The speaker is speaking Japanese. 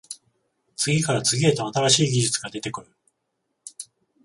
次から次へと新しい技術が出てくる